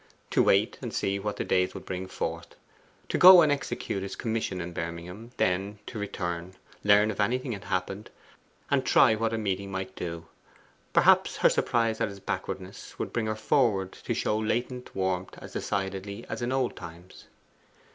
To wait and see what the days would bring forth; to go and execute his commissions in Birmingham; then to return, learn if anything had happened, and try what a meeting might do; perhaps her surprise at his backwardness would bring her forward to show latent warmth as decidedly as in old times.